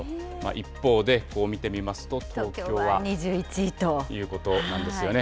一方で、こう見てみますと、東京は。ということなんですよね。